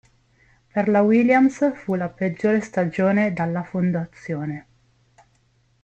Per la Williams fu la peggiore stagione dalla fondazione.